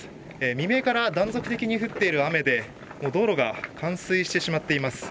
未明から断続的に降っている雨で道路が冠水してしまっています。